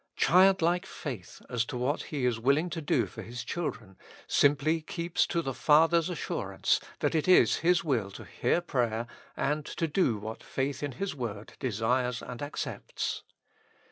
Childlike faith as to what He is willing to do for His children, simply keeps to the Father's assurance, that it is His will to hear prayer and to do what faith in His word desires and accepts.